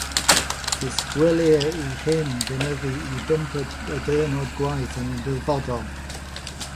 Disgwylir i hyn gynyddu i bump y diwrnod gwaith yn y dyfodol.